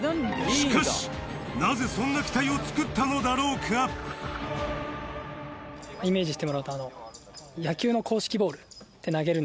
しかしなぜそんな機体を作ったのだろうかイメージしてもらうと。